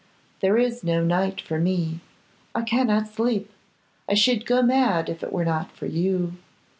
There is no night for me; I cannot sleep. I should go mad if it were not for you.